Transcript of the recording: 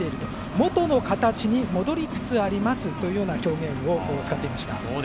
元の形に戻りつつありますというような表現を使っていました。